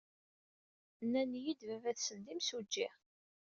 Nnan-iyi-d baba-tsen d imsujji.